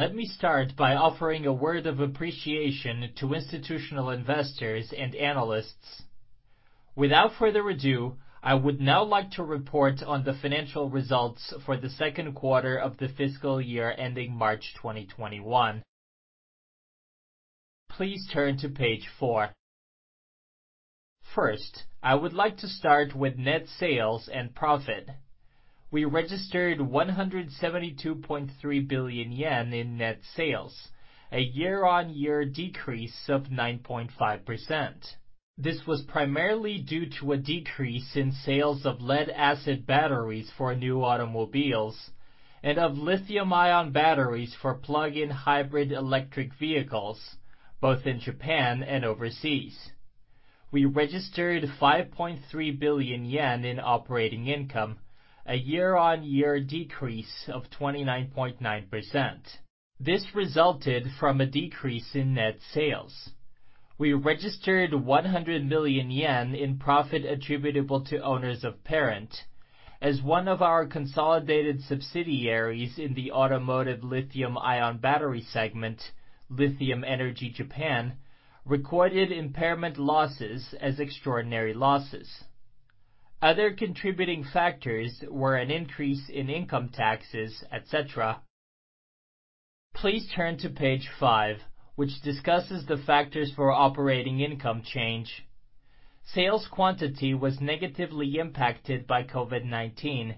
Let me start by offering a word of appreciation to institutional investors and analysts. Without further ado, I would now like to report on the financial results for the second quarter of the fiscal year ending March 2021. Please turn to page four. First, I would like to start with net sales and profit. We registered 172.3 billion yen in net sales, a year-on-year decrease of 9.5%. This was primarily due to a decrease in sales of lead-acid batteries for new automobiles and of lithium-ion batteries for plug-in hybrid electric vehicles, both in Japan and overseas. We registered 5.3 billion yen in operating income, a year-on-year decrease of 29.9%. This resulted from a decrease in net sales. We registered 100 million yen in profit attributable to owners of parent, as one of our consolidated subsidiaries in the Automotive Lithium-Ion Battery segment, Lithium Energy Japan, recorded impairment losses as extraordinary losses. Other contributing factors were an increase in income taxes, et cetera. Please turn to page five, which discusses the factors for operating income change. Sales quantity was negatively impacted by COVID-19,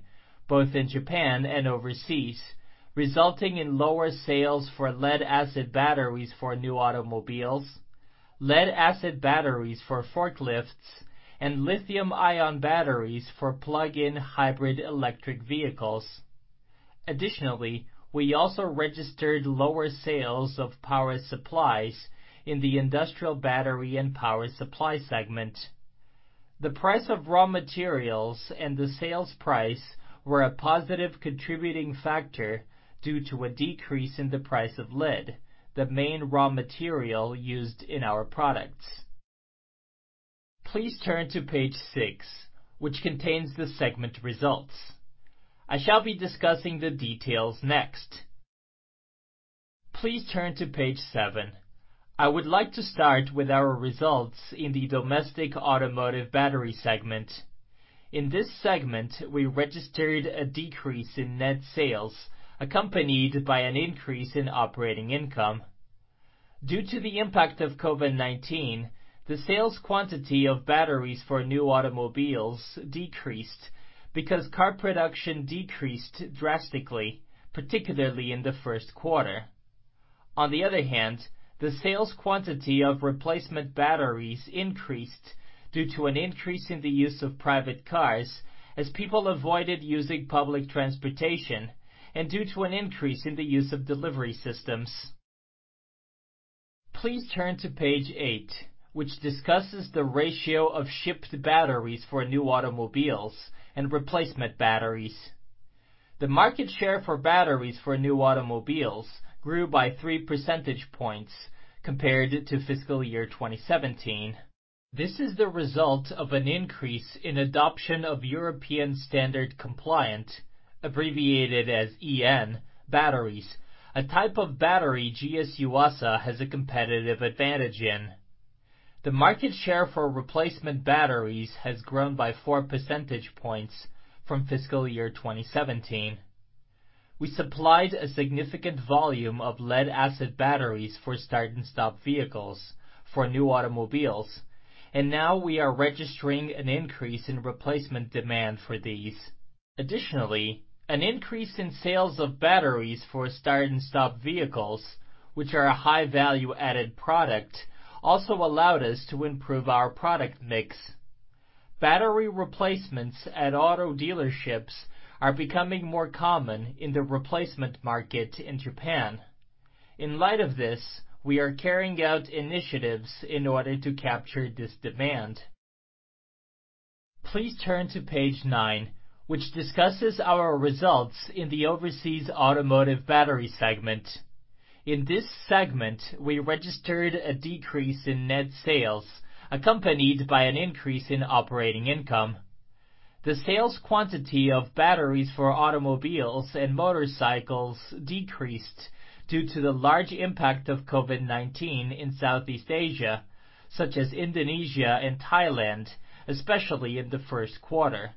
both in Japan and overseas, resulting in lower sales for lead-acid batteries for new automobiles, lead-acid batteries for forklifts, and lithium-ion batteries for plug-in hybrid electric vehicles. Additionally, we also registered lower sales of power supplies in the Industrial Battery and Power Supply segment. The price of raw materials and the sales price were a positive contributing factor due to a decrease in the price of lead, the main raw material used in our products. Please turn to page six, which contains the segment results. I shall be discussing the details next. Please turn to page seven. I would like to start with our results in the Domestic Automotive Battery segment. In this segment, we registered a decrease in net sales accompanied by an increase in operating income. Due to the impact of COVID-19, the sales quantity of batteries for new automobiles decreased because car production decreased drastically, particularly in the first quarter. On the other hand, the sales quantity of replacement batteries increased due to an increase in the use of private cars as people avoided using public transportation and due to an increase in the use of delivery systems. Please turn to page eight, which discusses the ratio of shipped batteries for new automobiles and replacement batteries. The market share for batteries for new automobiles grew by 3 percentage points compared to fiscal year 2017. This is the result of an increase in adoption of European standard compliant, abbreviated as EN batteries, a type of battery GS Yuasa has a competitive advantage in. The market share for replacement batteries has grown by 4 percentage points from fiscal year 2017. Now we are registering an increase in replacement demand for these. We supplied a significant volume of lead-acid batteries for start-and-stop vehicles for new automobiles. Additionally, an increase in sales of batteries for start-and-stop vehicles, which are a high value-added product, also allowed us to improve our product mix. Battery replacements at auto dealerships are becoming more common in the replacement market in Japan. In light of this, we are carrying out initiatives in order to capture this demand. Please turn to page nine, which discusses our results in the Overseas Automotive Battery segment. In this segment, we registered a decrease in net sales accompanied by an increase in operating income. The sales quantity of batteries for automobiles and motorcycles decreased due to the large impact of COVID-19 in Southeast Asia, such as Indonesia and Thailand, especially in the first quarter.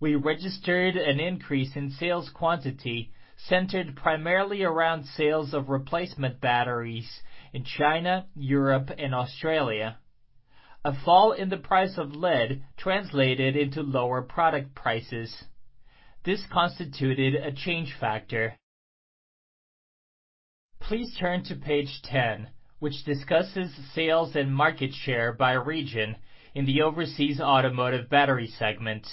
We registered an increase in sales quantity centered primarily around sales of replacement batteries in China, Europe, and Australia. A fall in the price of lead translated into lower product prices. This constituted a change factor. Please turn to page 10, which discusses sales and market share by region in the Overseas Automotive Battery segment.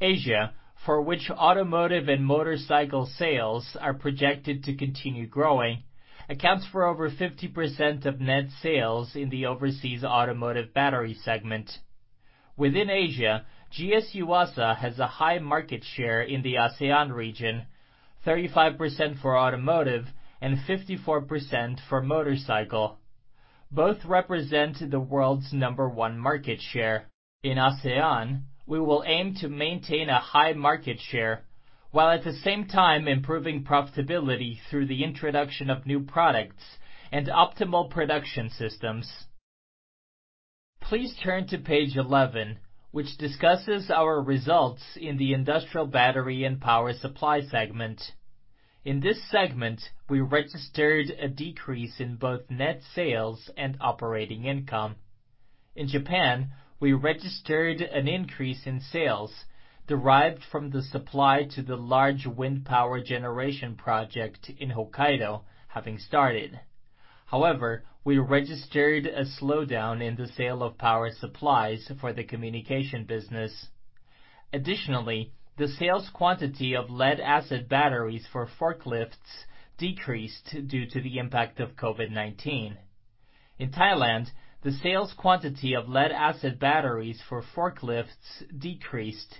Asia, for which automotive and motorcycle sales are projected to continue growing, accounts for over 50% of net sales in the Overseas Automotive Battery segment. Within Asia, GS Yuasa has a high market share in the ASEAN region, 35% for automotive and 54% for motorcycle. Both represent the world's number one market share. In ASEAN, we will aim to maintain a high market share, while at the same time improving profitability through the introduction of new products and optimal production systems. Please turn to page 11, which discusses our results in the Industrial Battery and Power Supply segment. In this segment, we registered a decrease in both net sales and operating income. In Japan, we registered an increase in sales derived from the supply to the large wind power generation project in Hokkaido having started. However, we registered a slowdown in the sale of power supplies for the communication business. Additionally, the sales quantity of lead-acid batteries for forklifts decreased due to the impact of COVID-19. In Thailand, the sales quantity of lead-acid batteries for forklifts decreased,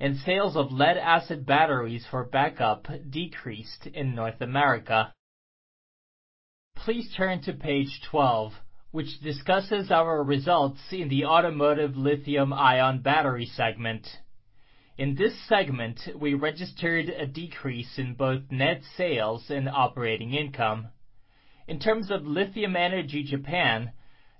and sales of lead-acid batteries for backup decreased in North America. Please turn to page 12, which discusses our results in the Automotive Lithium-Ion Battery segment. In this segment, we registered a decrease in both net sales and operating income. In terms of Lithium Energy Japan,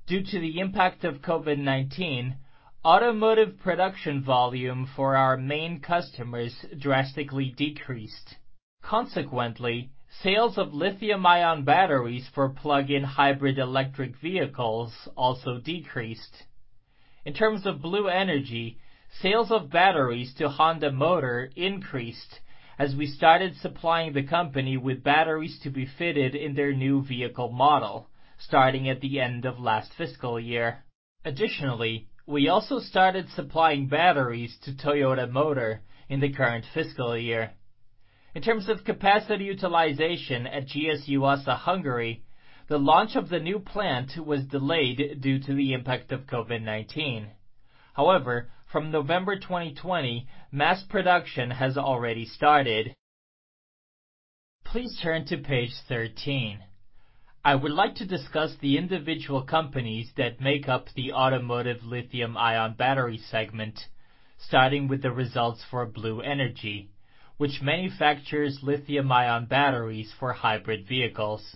due to the impact of COVID-19, automotive production volume for our main customers drastically decreased. Consequently, sales of lithium-ion batteries for plug-in hybrid electric vehicles also decreased. In terms of Blue Energy, sales of batteries to Honda Motor increased as we started supplying the company with batteries to be fitted in their new vehicle model starting at the end of last fiscal year. Additionally, we also started supplying batteries to Toyota Motor in the current fiscal year. In terms of capacity utilization at GS Yuasa Hungary, the launch of the new plant was delayed due to the impact of COVID-19. However, from November 2020, mass production has already started. Please turn to page 13. I would like to discuss the individual companies that make up the Automotive Lithium-Ion Battery segment, starting with the results for Blue Energy, which manufactures lithium-ion batteries for hybrid vehicles.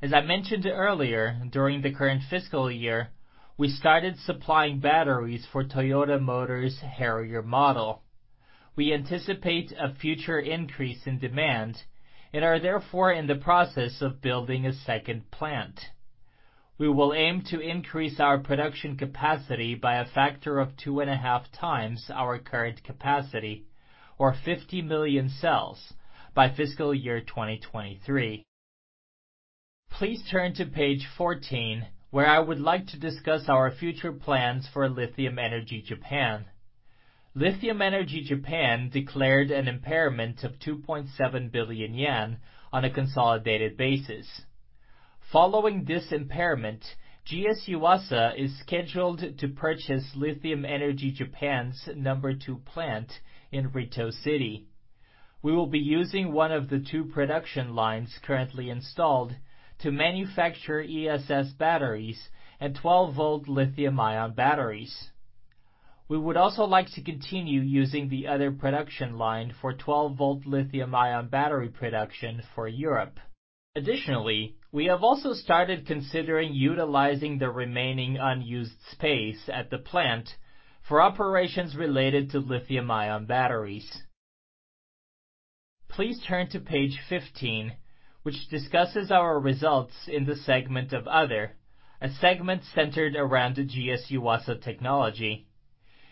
As I mentioned earlier, during the current fiscal year, we started supplying batteries for Toyota Motor's Harrier model. We anticipate a future increase in demand and are therefore in the process of building a second plant. We will aim to increase our production capacity by a factor of two and a half times our current capacity or 50 million cells by fiscal year 2023. Please turn to page 14, where I would like to discuss our future plans for Lithium Energy Japan. Lithium Energy Japan declared an impairment of 2.7 billion yen on a consolidated basis. Following this impairment, GS Yuasa is scheduled to purchase Lithium Energy Japan's number 2 plant in Ritto City. We will be using one of the two production lines currently installed to manufacture ESS batteries and 12-volt lithium-ion batteries. We would also like to continue using the other production line for 12-volt lithium-ion battery production for Europe. We have also started considering utilizing the remaining unused space at the plant for operations related to lithium-ion batteries. Please turn to page 15, which discusses our results in the segment of other, a segment centered around the GS Yuasa technology.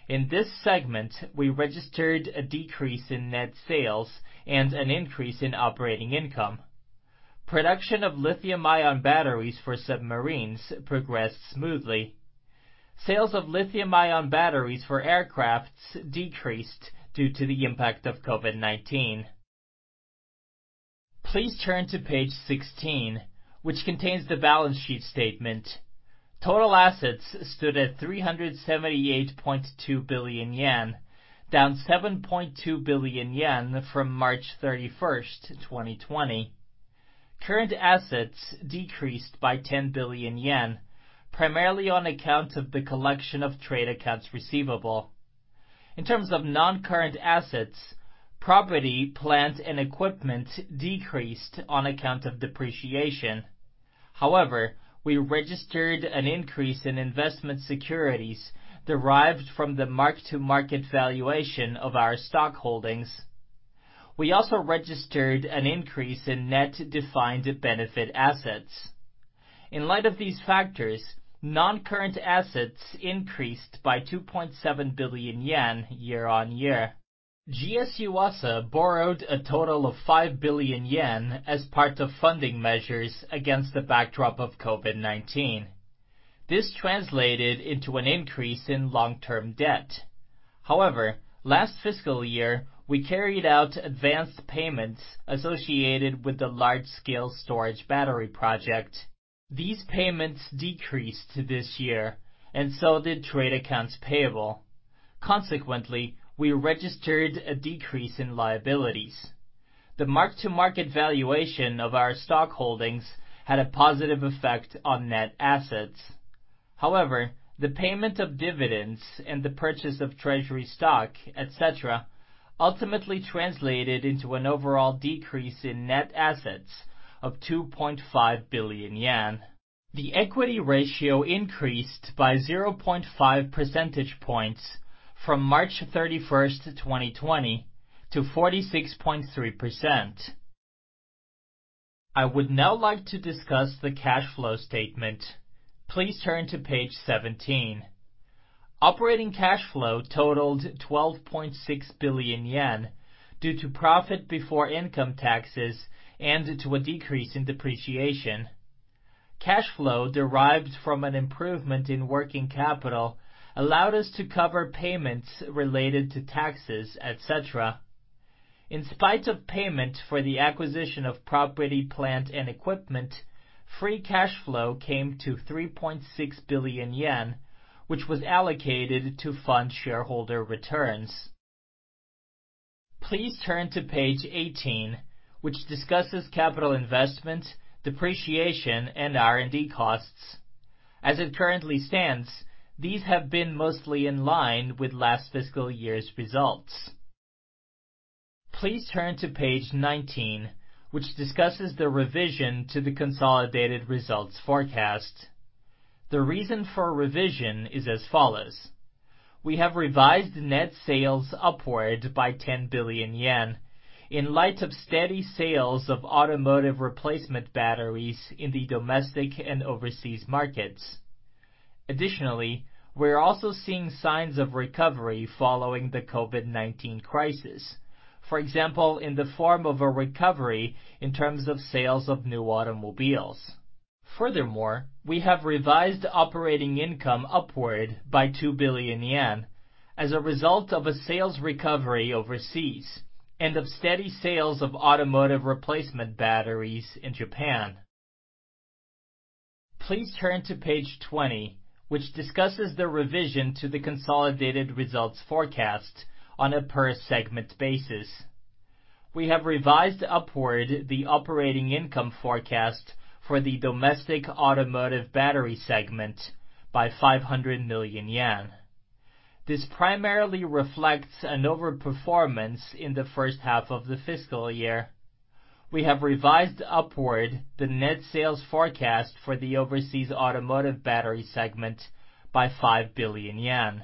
In this segment, we registered a decrease in net sales and an increase in operating income. Production of lithium-ion batteries for submarines progressed smoothly. Sales of lithium-ion batteries for aircraft decreased due to the impact of COVID-19. Please turn to page 16, which contains the balance sheet statement. Total assets stood at 378.2 billion yen, down 7.2 billion yen from March 31st, 2020. Current assets decreased by 10 billion yen, primarily on account of the collection of trade accounts receivable. In terms of non-current assets, property, plant, and equipment decreased on account of depreciation. However, we registered an increase in investment securities derived from the mark-to-market valuation of our stock holdings. We also registered an increase in net defined benefit assets. In light of these factors, non-current assets increased by 2.7 billion yen year-on-year. GS Yuasa borrowed a total of 5 billion yen as part of funding measures against the backdrop of COVID-19. This translated into an increase in long-term debt. However, last fiscal year, we carried out advanced payments associated with the large-scale storage battery project. These payments decreased this year, and so did trade accounts payable. Consequently, we registered a decrease in liabilities. The mark-to-market valuation of our stock holdings had a positive effect on net assets. The payment of dividends and the purchase of treasury stock, et cetera, ultimately translated into an overall decrease in net assets of 2.5 billion yen. The equity ratio increased by 0.5 percentage points from March 31st, 2020 to 46.3%. I would now like to discuss the cash flow statement. Please turn to page 17. Operating cash flow totaled 12.6 billion yen due to profit before income taxes and to a decrease in depreciation. Cash flow derived from an improvement in working capital allowed us to cover payments related to taxes, et cetera. In spite of payment for the acquisition of property, plant, and equipment, free cash flow came to 3.6 billion yen, which was allocated to fund shareholder returns. Please turn to page 18, which discusses capital investment, depreciation, and R&D costs. As it currently stands, these have been mostly in line with last fiscal year's results. Please turn to page 19, which discusses the revision to the consolidated results forecast. The reason for a revision is as follows. We have revised net sales upward by 10 billion yen in light of steady sales of automotive replacement batteries in the domestic and overseas markets. We're also seeing signs of recovery following the COVID-19 crisis. For example, in the form of a recovery in terms of sales of new automobiles. We have revised operating income upward by 2 billion yen as a result of a sales recovery overseas and of steady sales of automotive replacement batteries in Japan. Please turn to page 20, which discusses the revision to the consolidated results forecast on a per segment basis. We have revised upward the operating income forecast for the Domestic Automotive Battery segment by 500 million yen. This primarily reflects an over-performance in the first half of the fiscal year. We have revised upward the net sales forecast for the Overseas Automotive Battery segment by 5 billion yen.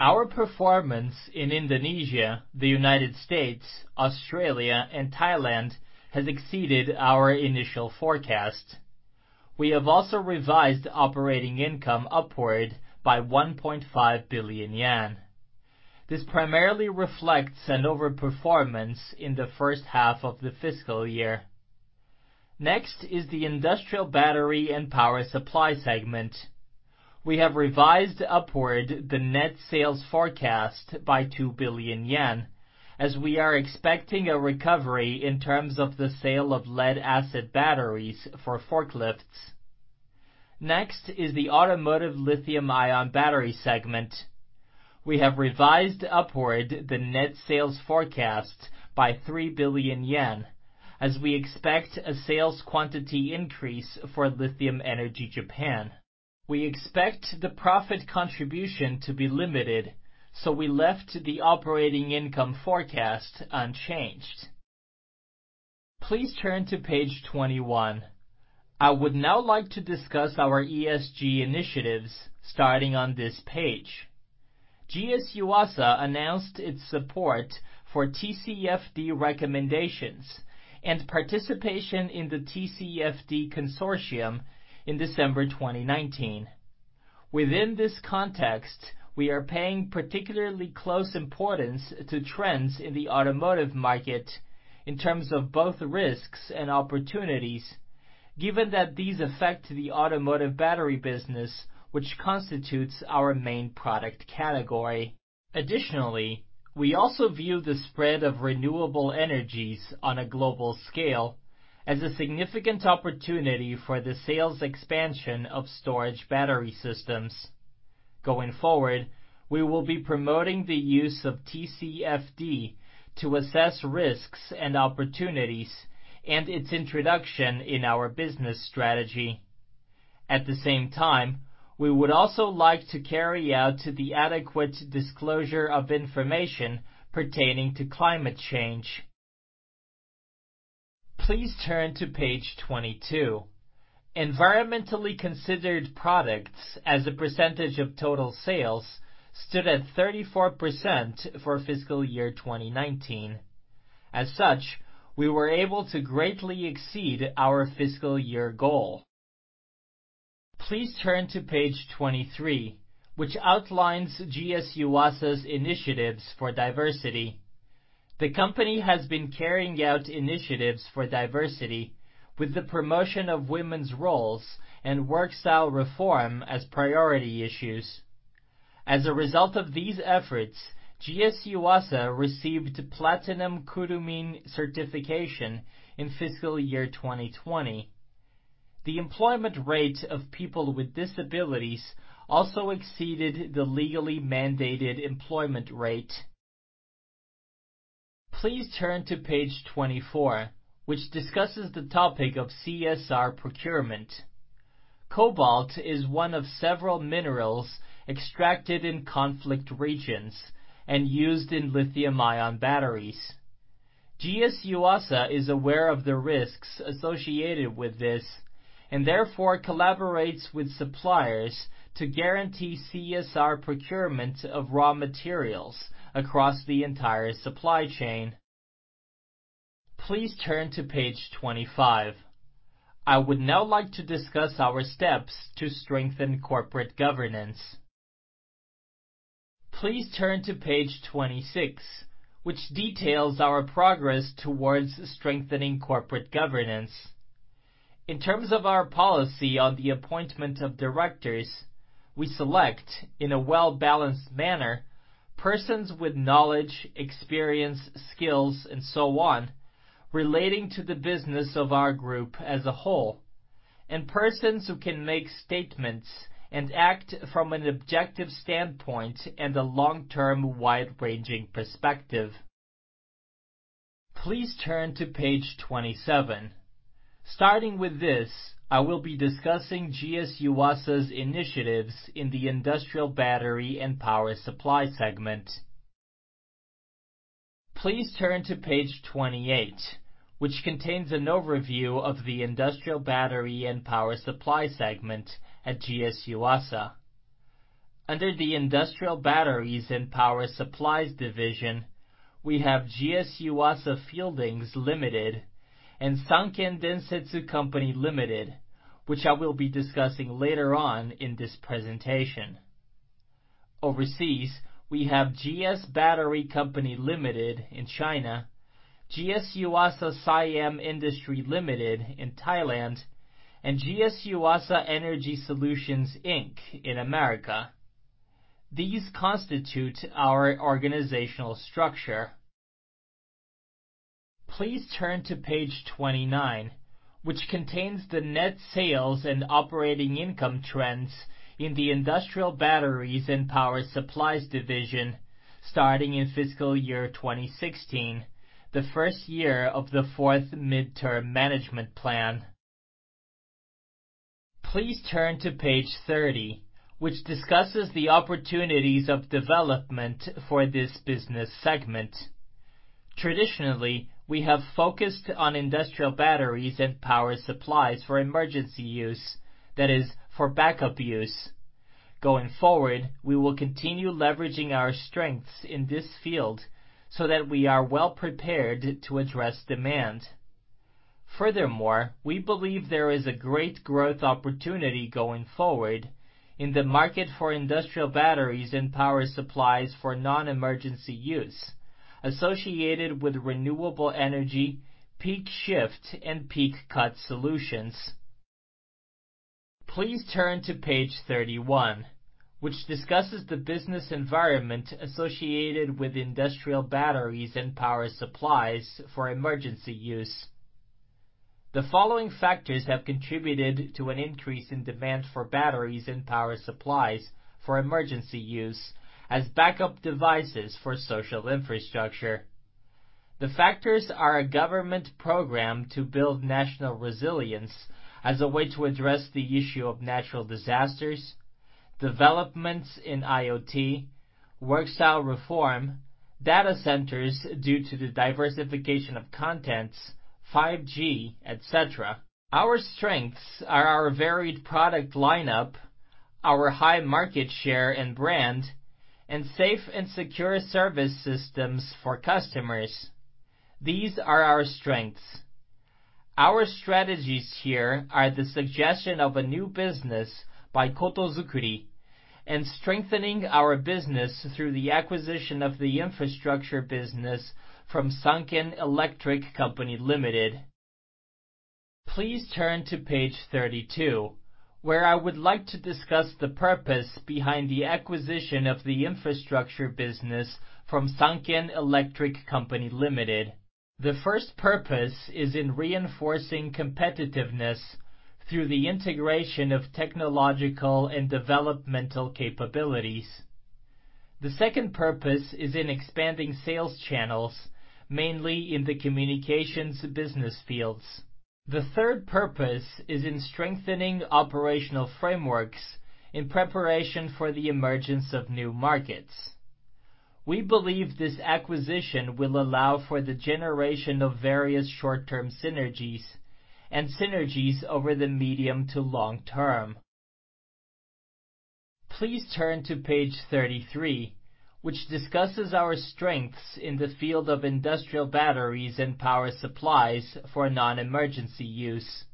Our performance in Indonesia, the U.S., Australia, and Thailand has exceeded our initial forecast. We have also revised operating income upward by 1.5 billion yen. This primarily reflects an over-performance in the first half of the fiscal year. Next is the Industrial Battery and Power Supply segment. We have revised upward the net sales forecast by 2 billion yen, as we are expecting a recovery in terms of the sale of lead-acid batteries for forklifts. Next is the Automotive Lithium-Ion Battery segment. We have revised upward the net sales forecast by 3 billion yen, as we expect a sales quantity increase for Lithium Energy Japan. We expect the profit contribution to be limited, we left the operating income forecast unchanged. Please turn to page 21. I would now like to discuss our ESG initiatives starting on this page. GS Yuasa announced its support for TCFD recommendations and participation in the TCFD Consortium in December 2019. Within this context, we are paying particularly close importance to trends in the automotive market in terms of both risks and opportunities, given that these affect the automotive battery business, which constitutes our main product category. Additionally, we also view the spread of renewable energies on a global scale as a significant opportunity for the sales expansion of storage battery systems. Going forward, we will be promoting the use of TCFD to assess risks and opportunities and its introduction in our business strategy. At the same time, we would also like to carry out to the adequate disclosure of information pertaining to climate change. Please turn to page 22. Environmentally considered products as a percentage of total sales stood at 34% for fiscal year 2019. As such, we were able to greatly exceed our fiscal year goal. Please turn to page 23, which outlines GS Yuasa's initiatives for diversity. The company has been carrying out initiatives for diversity with the promotion of women's roles and work style reform as priority issues. As a result of these efforts, GS Yuasa received Platinum Kurumin certification in fiscal year 2020. The employment rate of people with disabilities also exceeded the legally mandated employment rate. Please turn to page 24, which discusses the topic of CSR procurement. Cobalt is one of several minerals extracted in conflict regions and used in lithium-ion batteries. GS Yuasa is aware of the risks associated with this, and therefore collaborates with suppliers to guarantee CSR procurement of raw materials across the entire supply chain. Please turn to page 25. I would now like to discuss our steps to strengthen corporate governance. Please turn to page 26, which details our progress towards strengthening corporate governance. In terms of our policy on the appointment of directors, we select, in a well-balanced manner, persons with knowledge, experience, skills, and so on relating to the business of our group as a whole, and persons who can make statements and act from an objective standpoint and a long-term, wide-ranging perspective. Please turn to page 27. Starting with this, I will be discussing GS Yuasa's initiatives in the Industrial Battery and Power Supply segment. Please turn to page 28, which contains an overview of the Industrial Battery and Power Supply segment at GS Yuasa. Under the Industrial Batteries and Power supplies division, we have GS Yuasa Fieldings Ltd. and Sanken Densetsu Co., Ltd., which I will be discussing later on in this presentation. Overseas, we have Tianjin GS Battery Co., Ltd. in China, GS Yuasa Siam Industry Ltd. in Thailand, and GS Yuasa Energy Solutions, Inc. in America. These constitute our organizational structure. Please turn to page 29, which contains the net sales and operating income trends in the industrial batteries and power supplies division starting in fiscal year 2016, the first year of the fourth midterm management plan. Please turn to page 30, which discusses the opportunities of development for this business segment. Traditionally, we have focused on industrial batteries and power supplies for emergency use, that is, for backup use. Going forward, we will continue leveraging our strengths in this field so that we are well-prepared to address demand. We believe there is a great growth opportunity going forward in the market for industrial batteries and power supplies for non-emergency use associated with renewable energy, peak shift, and peak cut solutions. Please turn to page 31, which discusses the business environment associated with industrial batteries and power supplies for emergency use. The following factors have contributed to an increase in demand for batteries and power supplies for emergency use as backup devices for social infrastructure. The factors are a government program to build national resilience as a way to address the issue of natural disasters, developments in IoT, work style reform, data centers due to the diversification of contents, 5G, et cetera. Our strengths are our varied product lineup, our high market share and brand, and safe and secure service systems for customers. These are our strengths. Our strategies here are the suggestion of a new business by Kotozukuri, and strengthening our business through the acquisition of the infrastructure business from Sanken Electric Co., Ltd. Please turn to page 32, where I would like to discuss the purpose behind the acquisition of the infrastructure business from Sanken Electric Co., Ltd. The first purpose is in reinforcing competitiveness through the integration of technological and developmental capabilities. The second purpose is in expanding sales channels, mainly in the communications business fields. The third purpose is in strengthening operational frameworks in preparation for the emergence of new markets. We believe this acquisition will allow for the generation of various short-term synergies and synergies over the medium to long term. Please turn to page 33, which discusses our strengths in the field of industrial batteries and power supplies for non-emergency use.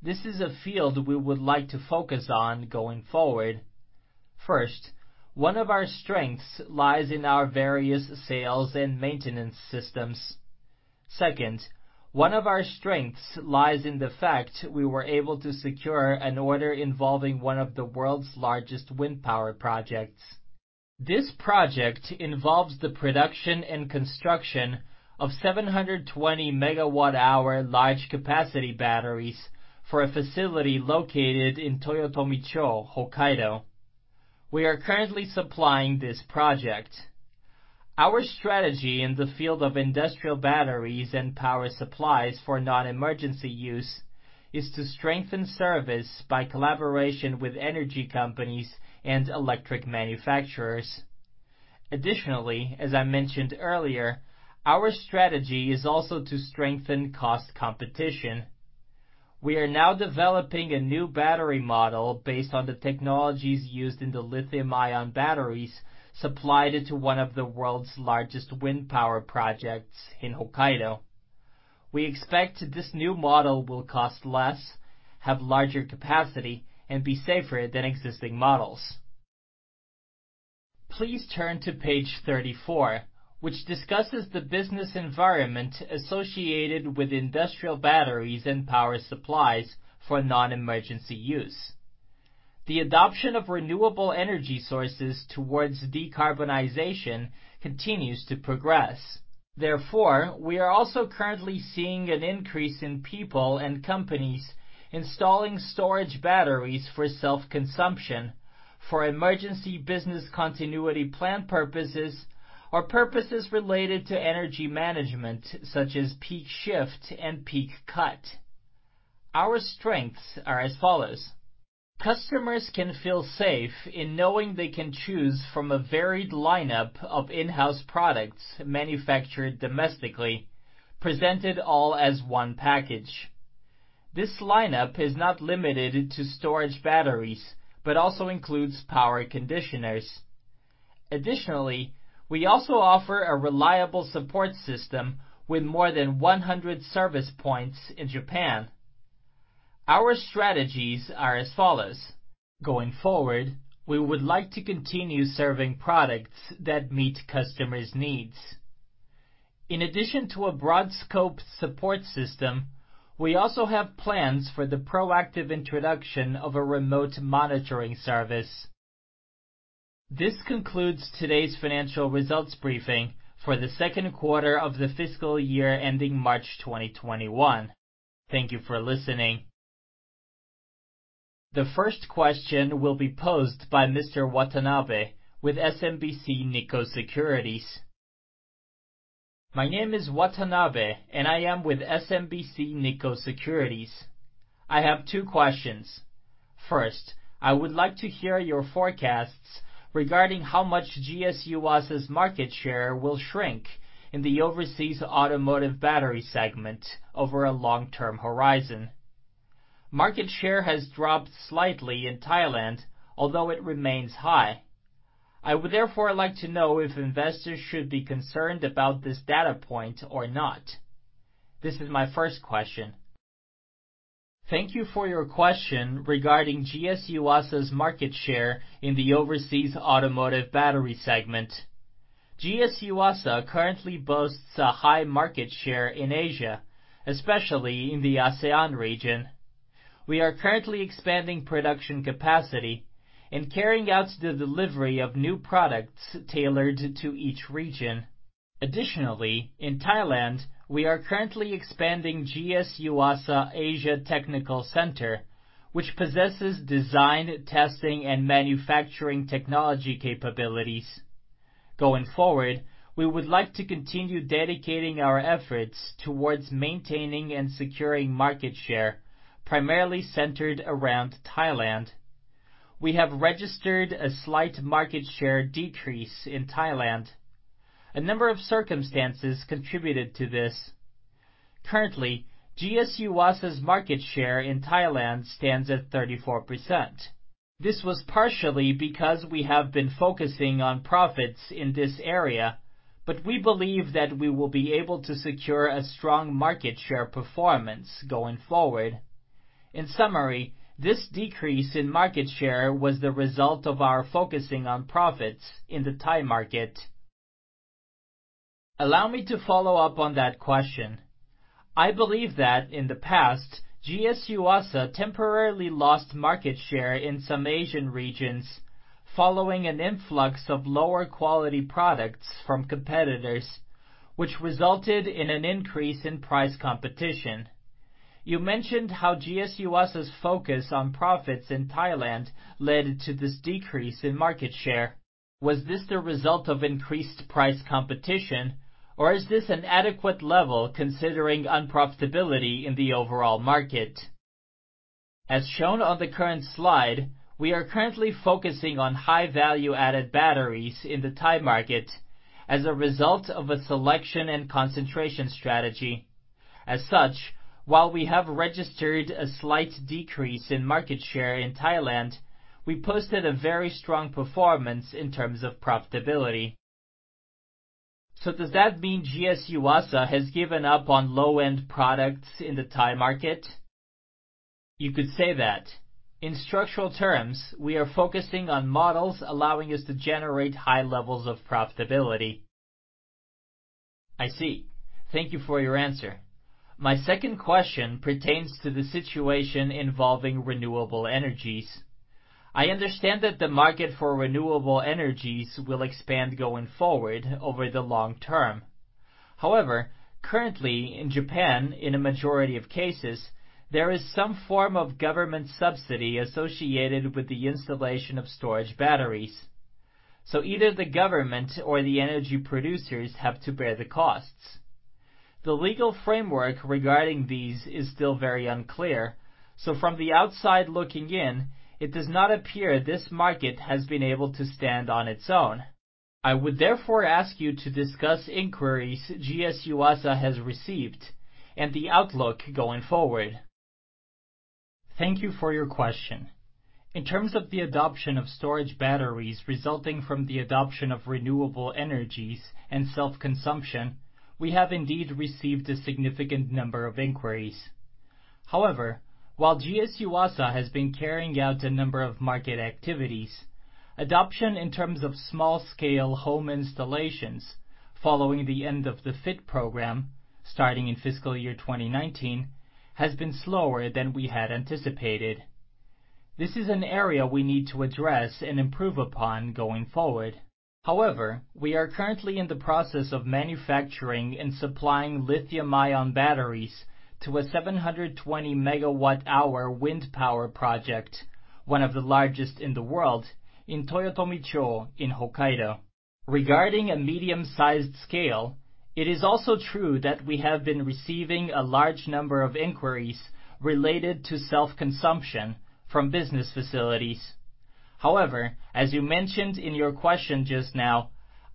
This is a field we would like to focus on going forward. First, one of our strengths lies in our various sales and maintenance systems. One of our strengths lies in the fact we were able to secure an order involving one of the world's largest wind power projects. This project involves the production and construction of 720 MWh large capacity batteries for a facility located in Toyotomi-cho, Hokkaido. We are currently supplying this project. Our strategy in the field of industrial batteries and power supplies for non-emergency use is to strengthen service by collaboration with energy companies and electric manufacturers. As I mentioned earlier, our strategy is also to strengthen cost competition. We are now developing a new battery model based on the technologies used in the lithium-ion batteries supplied to one of the world's largest wind power projects in Hokkaido. We expect this new model will cost less, have larger capacity, and be safer than existing models. Please turn to page 34, which discusses the business environment associated with industrial batteries and power supplies for non-emergency use. The adoption of renewable energy sources towards decarbonization continues to progress. We are also currently seeing an increase in people and companies installing storage batteries for self-consumption, for emergency business continuity plan purposes, or purposes related to energy management, such as peak shift and peak cut. Our strengths are as follows. Customers can feel safe in knowing they can choose from a varied lineup of in-house products manufactured domestically, presented all as one package. This lineup is not limited to storage batteries but also includes power conditioners. We also offer a reliable support system with more than 100 service points in Japan. Our strategies are as follows. Going forward, we would like to continue serving products that meet customers' needs. In addition to a broad scope support system, we also have plans for the proactive introduction of a remote monitoring service. This concludes today's financial results briefing for the second quarter of the fiscal year ending March 2021. Thank you for listening. The first question will be posed by Mr. Watanabe with SMBC Nikko Securities. My name is Watanabe, and I am with SMBC Nikko Securities. I have two questions. First, I would like to hear your forecasts regarding how much GS Yuasa's market share will shrink in the Overseas Automotive Battery segment over a long-term horizon. Market share has dropped slightly in Thailand, although it remains high. I would therefore like to know if investors should be concerned about this data point or not. This is my first question. Thank you for your question regarding GS Yuasa's market share in the Overseas Automotive Battery segment. GS Yuasa currently boasts a high market share in Asia, especially in the ASEAN region. We are currently expanding production capacity and carrying out the delivery of new products tailored to each region. Additionally, in Thailand, we are currently expanding GS Yuasa Asia Technical Center, which possesses design, testing, and manufacturing technology capabilities. Going forward, we would like to continue dedicating our efforts towards maintaining and securing market share, primarily centered around Thailand. We have registered a slight market share decrease in Thailand. A number of circumstances contributed to this. Currently, GS Yuasa's market share in Thailand stands at 34%. This was partially because we have been focusing on profits in this area, but we believe that we will be able to secure a strong market share performance going forward. In summary, this decrease in market share was the result of our focusing on profits in the Thai market. Allow me to follow up on that question. I believe that in the past, GS Yuasa temporarily lost market share in some Asian regions following an influx of lower quality products from competitors, which resulted in an increase in price competition. You mentioned how GS Yuasa's focus on profits in Thailand led to this decrease in market share. Was this the result of increased price competition, or is this an adequate level considering unprofitability in the overall market? As shown on the current slide, we are currently focusing on high value-added batteries in the Thai market as a result of a selection and concentration strategy. While we have registered a slight decrease in market share in Thailand, we posted a very strong performance in terms of profitability. Does that mean GS Yuasa has given up on low-end products in the Thai market? You could say that. In structural terms, we are focusing on models allowing us to generate high levels of profitability. I see. Thank you for your answer. My second question pertains to the situation involving renewable energies. I understand that the market for renewable energies will expand going forward over the long term. Currently in Japan, in a majority of cases, there is some form of government subsidy associated with the installation of storage batteries. Either the government or the energy producers have to bear the costs. The legal framework regarding these is still very unclear, from the outside looking in, it does not appear this market has been able to stand on its own. I would therefore ask you to discuss inquiries GS Yuasa has received and the outlook going forward. Thank you for your question. In terms of the adoption of storage batteries resulting from the adoption of renewable energies and self-consumption, we have indeed received a significant number of inquiries. However, while GS Yuasa has been carrying out a number of market activities, adoption in terms of small-scale home installations following the end of the FIT program, starting in fiscal year 2019, has been slower than we had anticipated. This is an area we need to address and improve upon going forward. However, we are currently in the process of manufacturing and supplying lithium-ion batteries to a 720 MWh wind power project, one of the largest in the world, in Toyotomi-cho in Hokkaido. Regarding a medium-sized scale, it is also true that we have been receiving a large number of inquiries related to self-consumption from business facilities. As you mentioned in your question just now,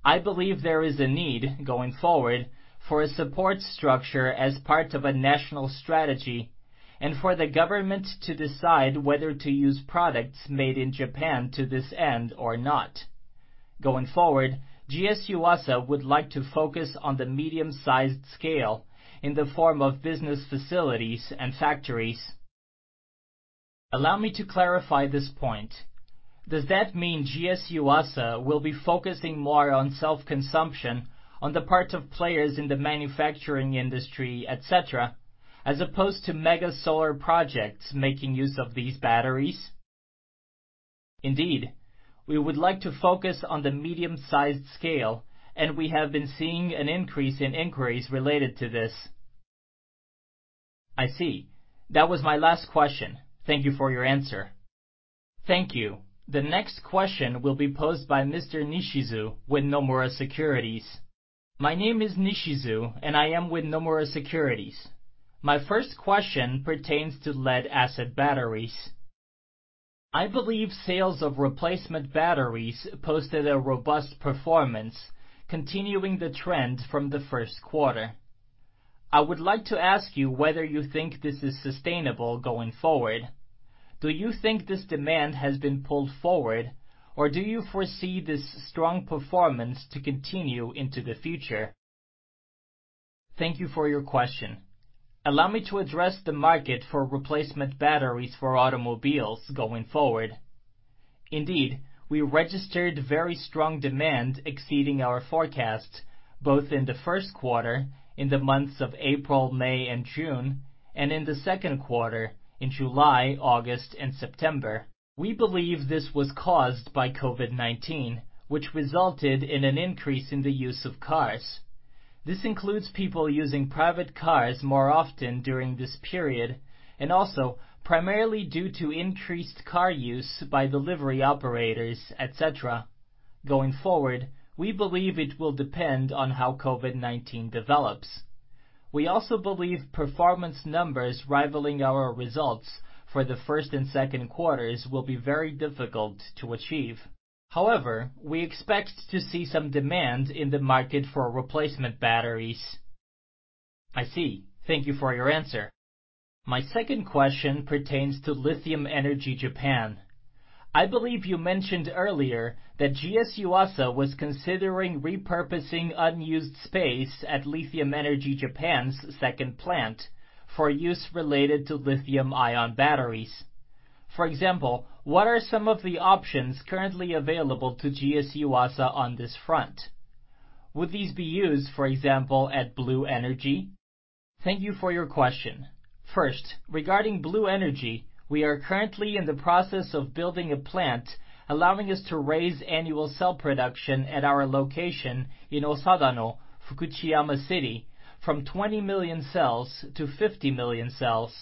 I believe there is a need, going forward, for a support structure as part of a national strategy and for the government to decide whether to use products made in Japan to this end or not. Going forward, GS Yuasa would like to focus on the medium-sized scale in the form of business facilities and factories. Allow me to clarify this point. Does that mean GS Yuasa will be focusing more on self-consumption on the part of players in the manufacturing industry, et cetera, as opposed to mega solar projects making use of these batteries? Indeed. We would like to focus on the medium-sized scale, and we have been seeing an increase in inquiries related to this. I see. That was my last question. Thank you for your answer. Thank you. The next question will be posed by Mr. Nishizu with Nomura Securities. My name is Nishizu, and I am with Nomura Securities. My first question pertains to lead-acid batteries. I believe sales of replacement batteries posted a robust performance, continuing the trend from the first quarter. I would like to ask you whether you think this is sustainable going forward. Do you think this demand has been pulled forward, or do you foresee this strong performance to continue into the future? Thank you for your question. Allow me to address the market for replacement batteries for automobiles going forward. Indeed, we registered very strong demand exceeding our forecast, both in the first quarter in the months of April, May, and June, in the second quarter in July, August, and September. We believe this was caused by COVID-19, which resulted in an increase in the use of cars. This includes people using private cars more often during this period and also primarily due to increased car use by delivery operators, et cetera. Going forward, we believe it will depend on how COVID-19 develops. We also believe performance numbers rivaling our results for the first and second quarters will be very difficult to achieve. However, we expect to see some demand in the market for replacement batteries. I see. Thank you for your answer. My second question pertains to Lithium Energy Japan. I believe you mentioned earlier that GS Yuasa was considering repurposing unused space at Lithium Energy Japan's second plant for use related to lithium-ion batteries. For example, what are some of the options currently available to GS Yuasa on this front? Would these be used, for example, at Blue Energy? Thank you for your question. First, regarding Blue Energy, we are currently in the process of building a plant, allowing us to raise annual cell production at our location in Osadano, Fukuchiyama City from 20 million cells to 50 million cells.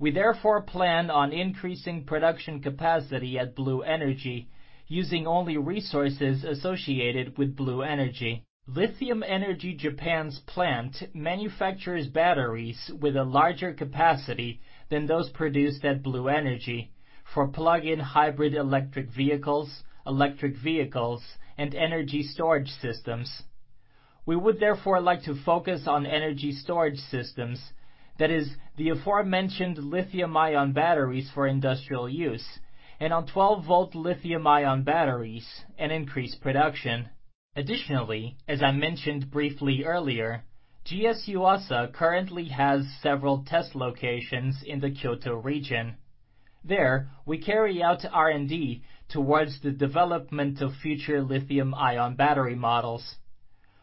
We therefore plan on increasing production capacity at Blue Energy, using only resources associated with Blue Energy. Lithium Energy Japan's plant manufactures batteries with a larger capacity than those produced at Blue Energy for plug-in hybrid electric vehicles, electric vehicles, and energy storage systems. We would therefore like to focus on energy storage systems, that is, the aforementioned lithium-ion batteries for industrial use and on 12-volt lithium-ion batteries and increase production. Additionally, as I mentioned briefly earlier, GS Yuasa currently has several test locations in the Kyoto region. There, we carry out R&D towards the development of future lithium-ion battery models.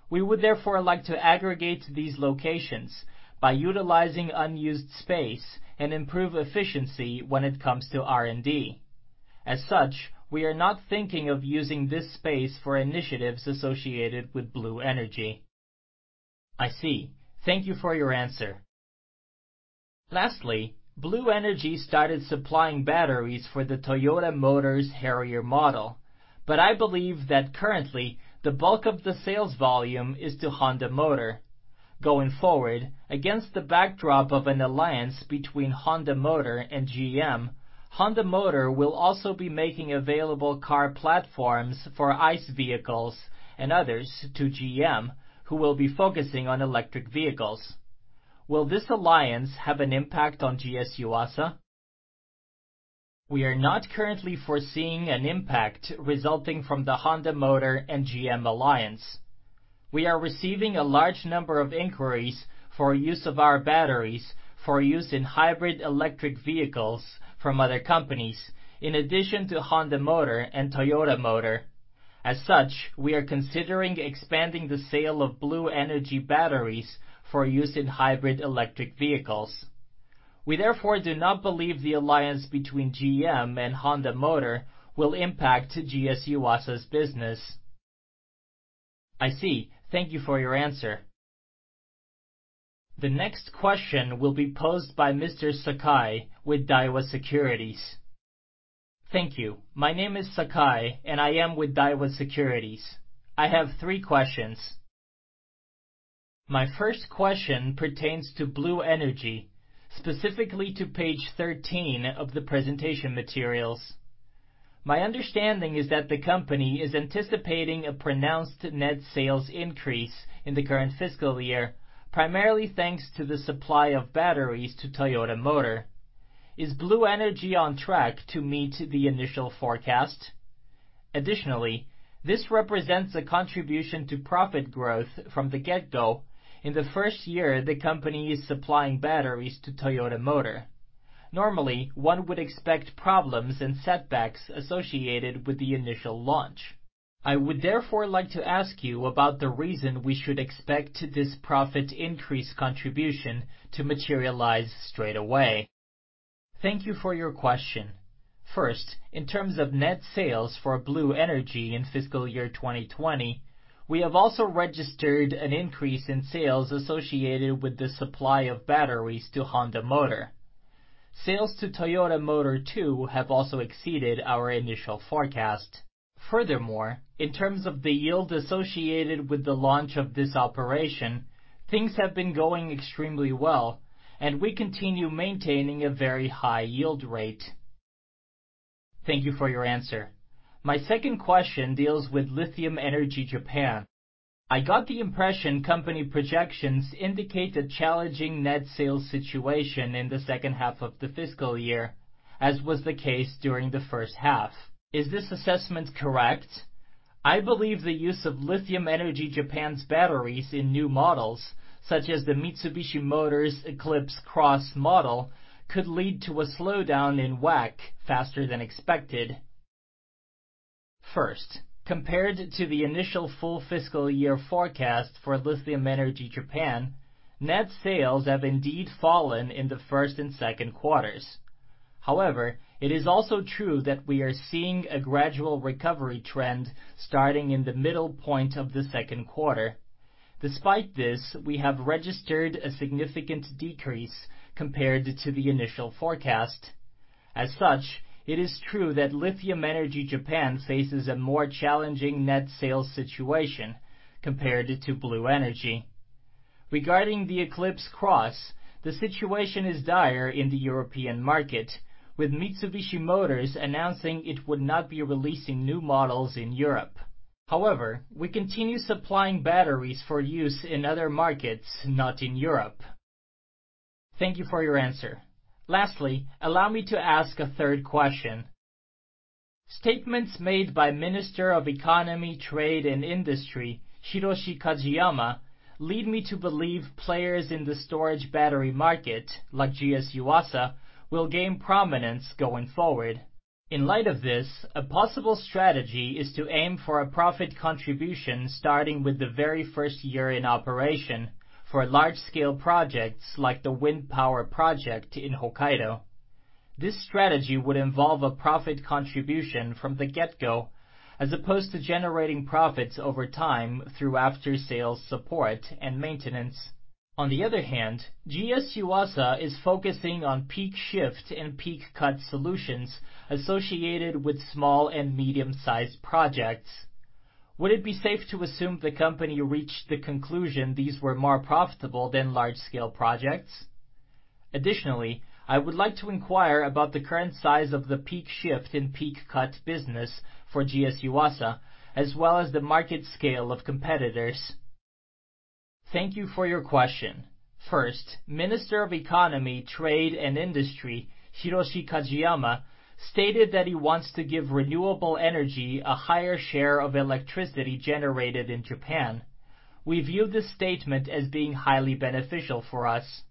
We would therefore like to aggregate these locations by utilizing unused space and improve efficiency when it comes to R&D. As such, we are not thinking of using this space for initiatives associated with Blue Energy. I see. Thank you for your answer. Lastly, Blue Energy started supplying batteries for the Toyota Motor's Harrier model, but I believe that currently the bulk of the sales volume is to Honda Motor. Going forward, against the backdrop of an alliance between Honda Motor and GM, Honda Motor will also be making available car platforms for ICE vehicles and others to GM, who will be focusing on electric vehicles. Will this alliance have an impact on GS Yuasa? We are not currently foreseeing an impact resulting from the Honda Motor and GM alliance. We are receiving a large number of inquiries for use of our batteries for use in hybrid electric vehicles from other companies, in addition to Honda Motor and Toyota Motor. Such, we are considering expanding the sale of Blue Energy batteries for use in hybrid electric vehicles. We therefore do not believe the alliance between GM and Honda Motor will impact GS Yuasa's business. I see. Thank you for your answer. The next question will be posed by Mr. Sakae with Daiwa Securities. Thank you. My name is Sakae, and I am with Daiwa Securities. I have three questions. My first question pertains to Blue Energy, specifically to page 13 of the presentation materials. My understanding is that the company is anticipating a pronounced net sales increase in the current fiscal year, primarily thanks to the supply of batteries to Toyota Motor. Is Blue Energy on track to meet the initial forecast? Additionally, this represents a contribution to profit growth from the get-go in the first year the company is supplying batteries to Toyota Motor. Normally, one would expect problems and setbacks associated with the initial launch. I would therefore like to ask you about the reason we should expect this profit increase contribution to materialize straight away. Thank you for your question. First, in terms of net sales for Blue Energy in fiscal year 2020, we have also registered an increase in sales associated with the supply of batteries to Honda Motor. Sales to Toyota Motor, too, have also exceeded our initial forecast. Furthermore, in terms of the yield associated with the launch of this operation, things have been going extremely well, and we continue maintaining a very high yield rate. Thank you for your answer. My second question deals with Lithium Energy Japan. I got the impression company projections indicate a challenging net sales situation in the second half of the fiscal year, as was the case during the first half. Is this assessment correct? I believe the use of Lithium Energy Japan's batteries in new models, such as the Mitsubishi Motors Eclipse Cross model, could lead to a slowdown in WAC faster than expected. Compared to the initial full fiscal year forecast for Lithium Energy Japan, net sales have indeed fallen in the first and second quarters. It is also true that we are seeing a gradual recovery trend starting in the middle point of the second quarter. Despite this, we have registered a significant decrease compared to the initial forecast. It is true that Lithium Energy Japan faces a more challenging net sales situation compared to Blue Energy. Regarding the Eclipse Cross, the situation is dire in the European market, with Mitsubishi Motors announcing it would not be releasing new models in Europe. We continue supplying batteries for use in other markets not in Europe. Thank you for your answer. Allow me to ask a third question. Statements made by Minister of Economy, Trade, and Industry Hiroshi Kajiyama lead me to believe players in the storage battery market, like GS Yuasa, will gain prominence going forward. In light of this, a possible strategy is to aim for a profit contribution starting with the very first year in operation for large-scale projects like the wind power project in Hokkaido. This strategy would involve a profit contribution from the get-go, as opposed to generating profits over time through after-sales support and maintenance. On the other hand, GS Yuasa is focusing on peak shift and peak cut solutions associated with small and medium-sized projects. Would it be safe to assume the company reached the conclusion these were more profitable than large-scale projects? Additionally, I would like to inquire about the current size of the peak shift and peak cut business for GS Yuasa, as well as the market scale of competitors. Thank you for your question. Minister of Economy, Trade, and Industry Hiroshi Kajiyama stated that he wants to give renewable energy a higher share of electricity generated in Japan. We view this statement as being highly beneficial for us.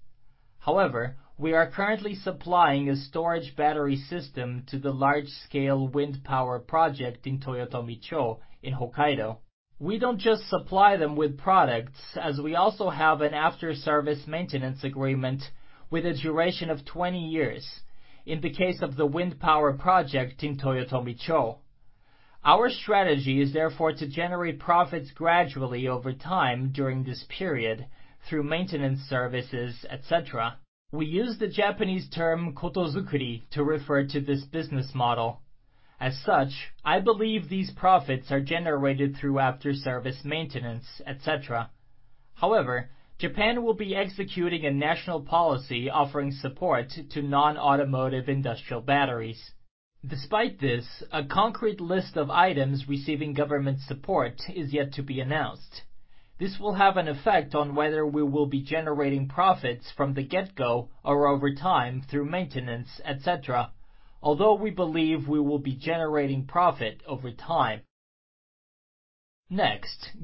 We are currently supplying a storage battery system to the large-scale wind power project in Toyotomi-cho in Hokkaido. We don't just supply them with products, as we also have an after-service maintenance agreement with a duration of 20 years in the case of the wind power project in Toyotomi-cho. Our strategy is therefore to generate profits gradually over time during this period through maintenance services, et cetera. We use the Japanese term Kotozukuri to refer to this business model. As such, I believe these profits are generated through after-service maintenance, et cetera. However, Japan will be executing a national policy offering support to non-automotive industrial batteries. Despite this, a concrete list of items receiving government support is yet to be announced. This will have an effect on whether we will be generating profits from the get-go or over time through maintenance, et cetera, although we believe we will be generating profit over time.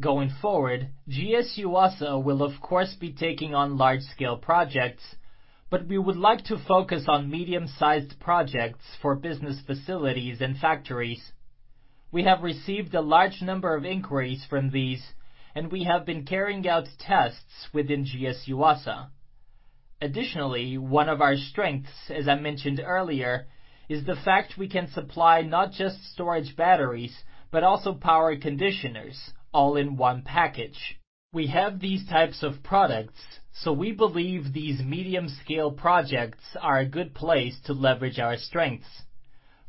Going forward, GS Yuasa will of course be taking on large-scale projects, but we would like to focus on medium-sized projects for business facilities and factories. We have received a large number of inquiries from these, and we have been carrying out tests within GS Yuasa. Additionally, one of our strengths, as I mentioned earlier, is the fact we can supply not just storage batteries, but also power conditioners all in one package. We have these types of products, so we believe these medium-scale projects are a good place to leverage our strengths.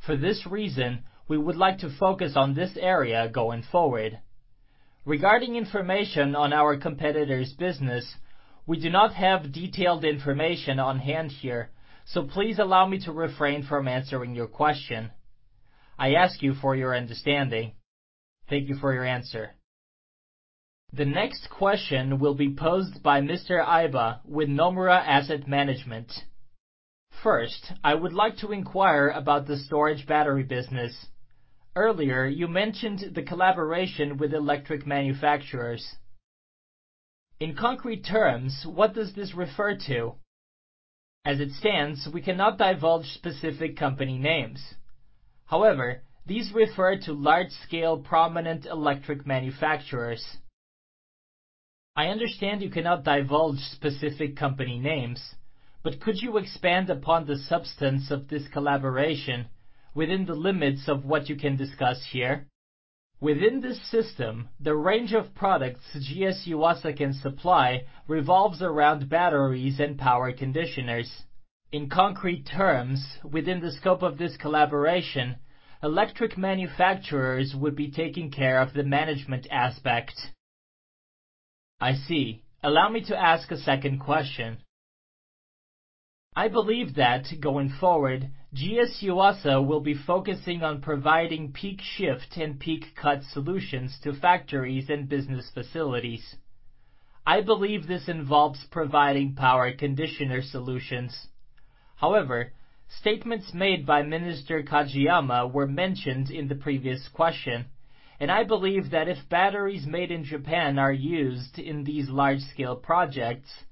For this reason, we would like to focus on this area going forward. Regarding information on our competitors' business, we do not have detailed information on hand here, so please allow me to refrain from answering your question. I ask you for your understanding. Thank you for your answer. The next question will be posed by [Mr. Aiba] with Nomura Asset Management. First, I would like to inquire about the storage battery business. Earlier, you mentioned the collaboration with electric manufacturers. In concrete terms, what does this refer to? As it stands, we cannot divulge specific company names. However, these refer to large-scale, prominent electric manufacturers. I understand you cannot divulge specific company names, but could you expand upon the substance of this collaboration within the limits of what you can discuss here? Within this system, the range of products GS Yuasa can supply revolves around batteries and power conditioners. In concrete terms, within the scope of this collaboration, electric manufacturers would be taking care of the management aspect. I see. Allow me to ask a second question. I believe that going forward, GS Yuasa will be focusing on providing peak shift and peak cut solutions to factories and business facilities. I believe this involves providing power conditioner solutions. Statements made by Minister Kajiyama were mentioned in the previous question, and I believe that if batteries made in Japan are used in these large-scale projects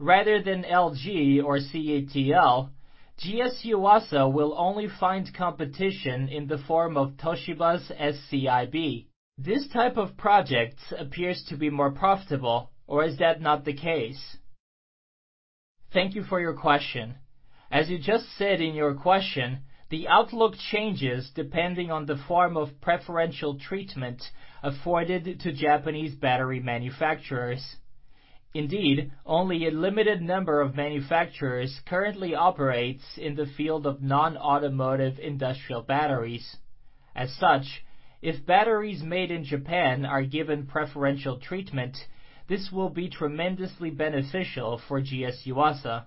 rather than LG or CATL, GS Yuasa will only find competition in the form of Toshiba's SCiB. This type of project appears to be more profitable, or is that not the case? Thank you for your question. As you just said in your question, the outlook changes depending on the form of preferential treatment afforded to Japanese battery manufacturers. Indeed, only a limited number of manufacturers currently operate in the field of non-automotive industrial batteries. As such, if batteries made in Japan are given preferential treatment, this will be tremendously beneficial for GS Yuasa.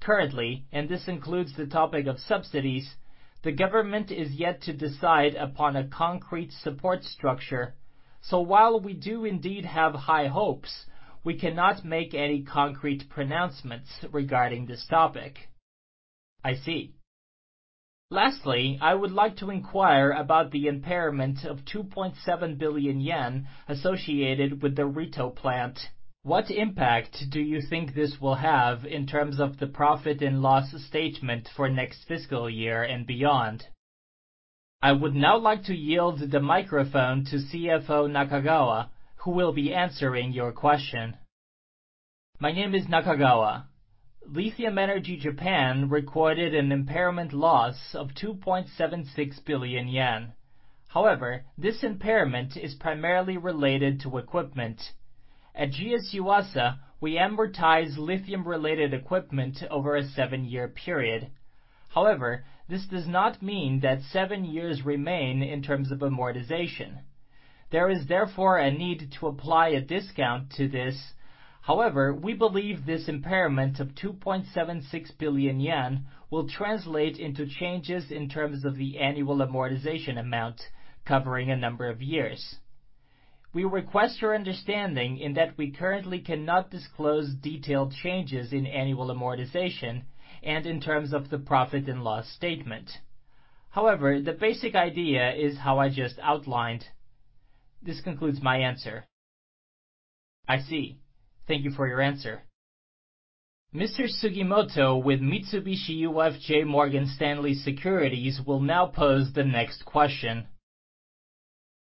Currently, and this includes the topic of subsidies, the government is yet to decide upon a concrete support structure. While we do indeed have high hopes, we cannot make any concrete pronouncements regarding this topic. I see. Lastly, I would like to inquire about the impairment of 2.7 billion yen associated with the Ritto plant. What impact do you think this will have in terms of the profit and loss statement for next fiscal year and beyond? I would now like to yield the microphone to CFO Nakagawa, who will be answering your question. My name is Nakagawa. Lithium Energy Japan recorded an impairment loss of 2.76 billion yen. However, this impairment is primarily related to equipment. At GS Yuasa, we amortize lithium-related equipment over a seven-year period. However, this does not mean that seven years remain in terms of amortization. There is therefore a need to apply a discount to this. However, we believe this impairment of 2.76 billion yen will translate into changes in terms of the annual amortization amount covering a number of years. We request your understanding in that we currently cannot disclose detailed changes in annual amortization and in terms of the profit and loss statement. The basic idea is how I just outlined. This concludes my answer. I see. Thank you for your answer. Mr. Sugimoto with Mitsubishi UFJ Morgan Stanley Securities will now pose the next question.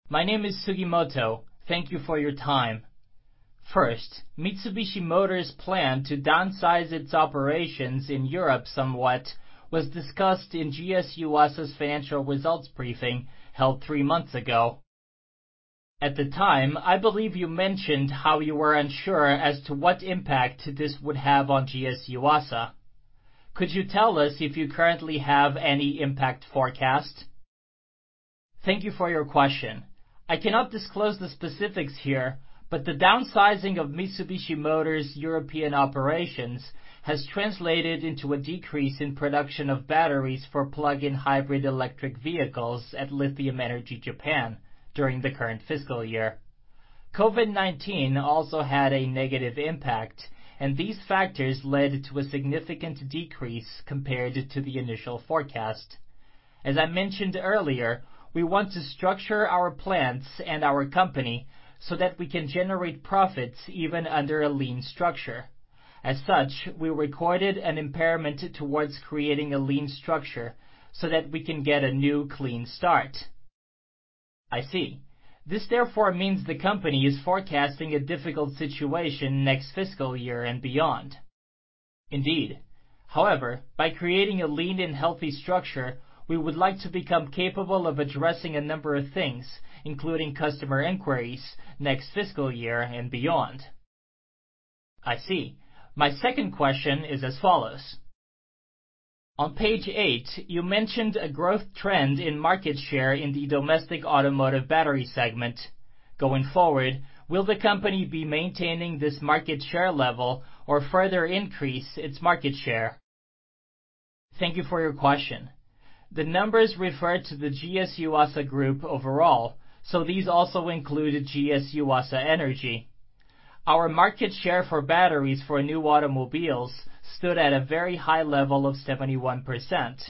My name is Sugimoto. Thank you for your time. First, Mitsubishi Motors' plan to downsize its operations in Europe somewhat was discussed in GS Yuasa's financial results briefing held three months ago. At the time, I believe you mentioned how you were unsure as to what impact this would have on GS Yuasa. Could you tell us if you currently have any impact forecast? Thank you for your question. I cannot disclose the specifics here. The downsizing of Mitsubishi Motors' European operations has translated into a decrease in production of batteries for plug-in hybrid electric vehicles at Lithium Energy Japan during the current fiscal year. COVID-19 also had a negative impact. These factors led to a significant decrease compared to the initial forecast. As I mentioned earlier, we want to structure our plants and our company so that we can generate profits even under a lean structure. As such, we recorded an impairment towards creating a lean structure so that we can get a new clean start. I see. This therefore means the company is forecasting a difficult situation next fiscal year and beyond. Indeed. However, by creating a lean and healthy structure, we would like to become capable of addressing a number of things, including customer inquiries, next fiscal year and beyond. I see. My second question is as follows. On page eight, you mentioned a growth trend in market share in the Domestic Automotive Battery segment. Going forward, will the company be maintaining this market share level or further increase its market share? Thank you for your question. The numbers refer to the GS Yuasa group overall, so these also include GS Yuasa Energy. Our market share for batteries for new automobiles stood at a very high level of 71%.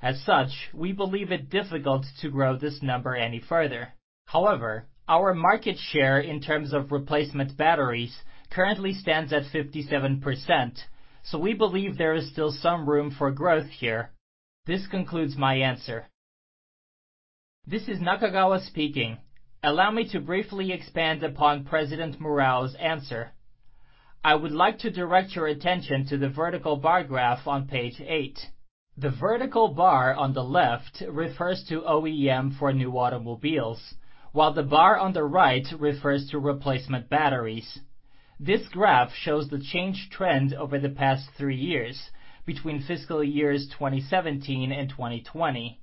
As such, we believe it difficult to grow this number any further. Our market share in terms of replacement batteries currently stands at 57%, so we believe there is still some room for growth here. This concludes my answer. This is Nakagawa speaking. Allow me to briefly expand upon President Murao's answer. I would like to direct your attention to the vertical bar graph on page eight. The vertical bar on the left refers to OEM for new automobiles, while the bar on the right refers to replacement batteries. This graph shows the change trend over the past three years between fiscal years 2017 and 2020.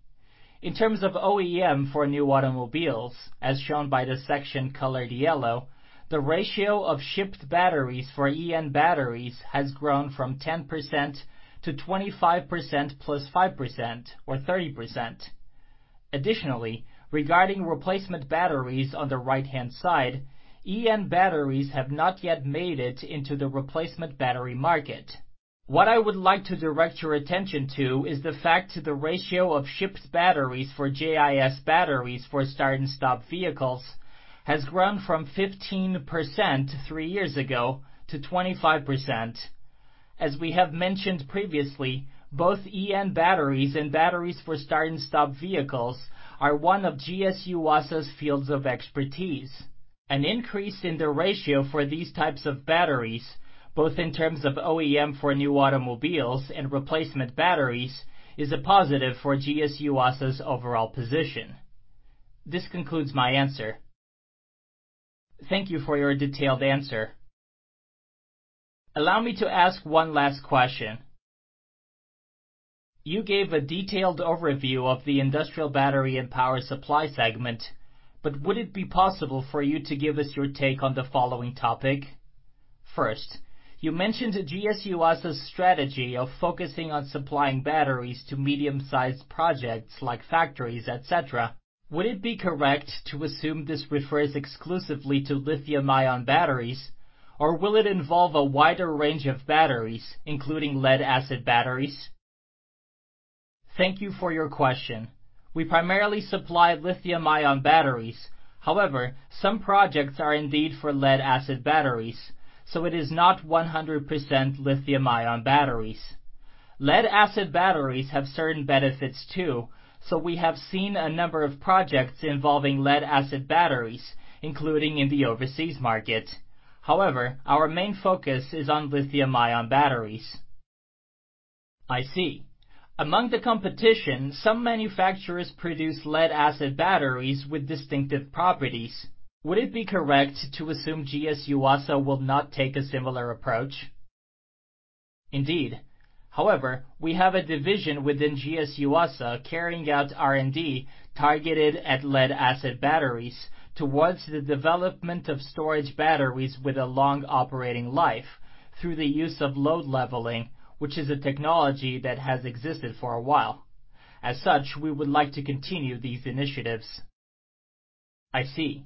In terms of OEM for new automobiles, as shown by the section colored yellow, the ratio of shipped batteries for EN batteries has grown from 10% to 25% plus 5%, or 30%. Additionally, regarding replacement batteries on the right-hand side, EN batteries have not yet made it into the replacement battery market. What I would like to direct your attention to is the fact that the ratio of shipped batteries for JIS batteries for start-stop vehicles has grown from 15% three years ago to 25%. As we have mentioned previously, both EN batteries and batteries for start-stop vehicles are one of GS Yuasa's fields of expertise. An increase in the ratio for these types of batteries, both in terms of OEM for new automobiles and replacement batteries, is a positive for GS Yuasa's overall position. This concludes my answer. Thank you for your detailed answer. Allow me to ask one last question. You gave a detailed overview of the Industrial Battery and Power Supply segment, but would it be possible for you to give us your take on the following topic? First, you mentioned GS Yuasa's strategy of focusing on supplying batteries to medium-sized projects like factories, et cetera. Would it be correct to assume this refers exclusively to lithium-ion batteries, or will it involve a wider range of batteries, including lead-acid batteries? Thank you for your question. We primarily supply lithium-ion batteries. However, some projects are indeed for lead-acid batteries, so it is not 100% lithium-ion batteries. Lead-acid batteries have certain benefits too, so we have seen a number of projects involving lead-acid batteries, including in the overseas market. However, our main focus is on lithium-ion batteries. I see. Among the competition, some manufacturers produce lead-acid batteries with distinctive properties. Would it be correct to assume GS Yuasa will not take a similar approach? Indeed. However, we have a division within GS Yuasa carrying out R&D targeted at lead-acid batteries towards the development of storage batteries with a long operating life through the use of load leveling, which is a technology that has existed for a while. As such, we would like to continue these initiatives. I see.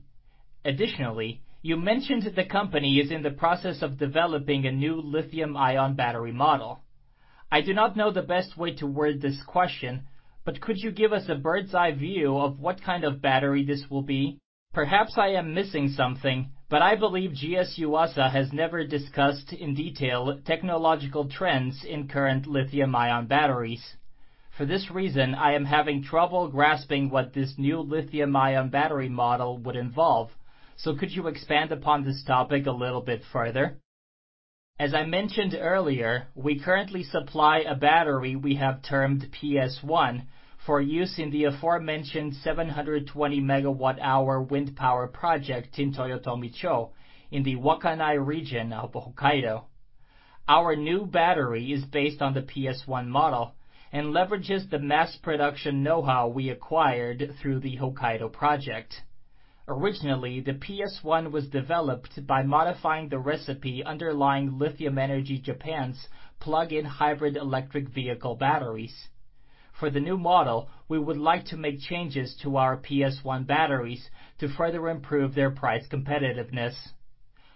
You mentioned the company is in the process of developing a new lithium-ion battery model. I do not know the best way to word this question, but could you give us a bird's eye view of what kind of battery this will be? Perhaps I am missing something, but I believe GS Yuasa has never discussed in detail technological trends in current lithium-ion batteries. For this reason, I am having trouble grasping what this new lithium-ion battery model would involve. Could you expand upon this topic a little bit further? As I mentioned earlier, we currently supply a battery we have termed PS1 for use in the aforementioned 720-MWh wind power project in Toyotomi-cho, in the Wakkanai region of Hokkaido. Our new battery is based on the PS1 model and leverages the mass-production know-how we acquired through the Hokkaido project. Originally, the PS1 was developed by modifying the recipe underlying Lithium Energy Japan's plug-in hybrid electric vehicle batteries. For the new model, we would like to make changes to our PS1 batteries to further improve their price competitiveness.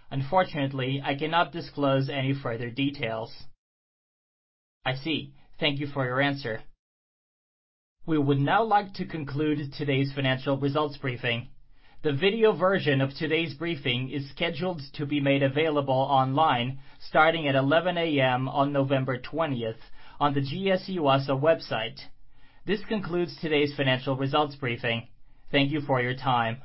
Unfortunately, I cannot disclose any further details. I see. Thank you for your answer. We would now like to conclude today's financial results briefing. The video version of today's briefing is scheduled to be made available online starting at 11:00 A.M. on November 20th on the GS Yuasa website. This concludes today's financial results briefing. Thank you for your time.